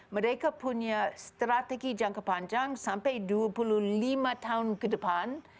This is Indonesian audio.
mereka punya strategi jangka panjang sampai dua puluh lima tahun ke depan